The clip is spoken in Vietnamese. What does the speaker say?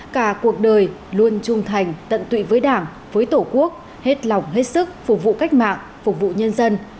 cả cuộc đời luôn trung thành tận tụy với đảng với tổ quốc hết lòng hết sức phục vụ cách mạng phục vụ nhân dân